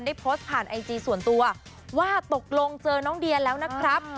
ได้โพสต์ผ่านไอจีส่วนตัวว่าตกลงเจอน้องเดียแล้วนะครับ